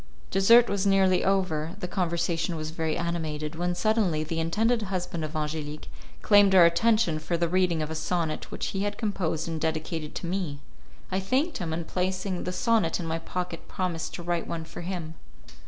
Dessert was nearly over, the conversation was very animated, when suddenly the intended husband of Angelique claimed our attention for the reading of a sonnet which he had composed and dedicated to me. I thanked him, and placing the sonnet in my pocket promised to write one for him.